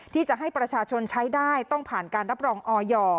ที่จะให้ประชาชนใช้ได้ต้องผ่านการรับรองออย